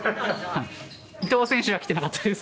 伊藤選手は来てなかったです。